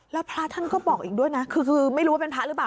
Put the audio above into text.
แล้วพระท่านก็บอกอีกด้วยนะคือไม่รู้ว่าเป็นพระหรือเปล่า